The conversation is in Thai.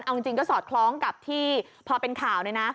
เอาจริงก็สอดคล้องกับที่พอเป็นข่าวเลยนะ